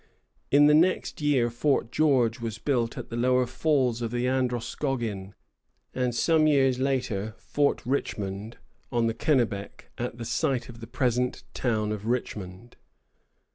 In the next year Fort George was built at the lower falls of the Androscoggin, and some years later Fort Richmond, on the Kennebec, at the site of the present town of Richmond.